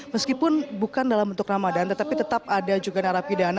meskipun bukan dalam bentuk ramadan tetapi tetap ada juga menerapi dana